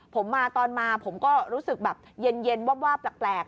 ผมมาตอนมาผมก็รู้สึกแบบเย็นวาบแปลก